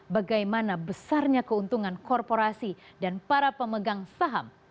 bagaimana besarnya keuntungan korporasi dan para pemegang saham